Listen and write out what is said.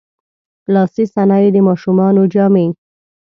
لاسي صنایع، د ماشومانو جامې.